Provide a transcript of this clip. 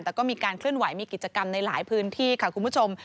แต่ก็มีการเคลื่อนไหวมีกิจกรรมในหลายพื้นที่ค่ะคุณผู้ชม